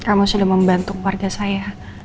kamu sudah membantu keluarga saya